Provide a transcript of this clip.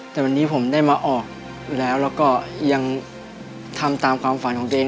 แต่วันนี้ผมได้มาออกแล้วแล้วก็ยังทำตามความฝันของตัวเอง